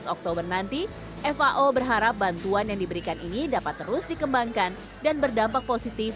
dua belas oktober nanti fao berharap bantuan yang diberikan ini dapat terus dikembangkan dan berdampak positif